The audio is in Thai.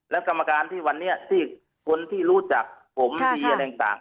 แล้วกรรมการที่วันนี้ที่คนที่รู้จักผมดีอะไรต่าง